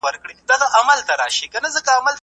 ملي توليد به د هيواد د ځان بسياينې سبب وګرځي.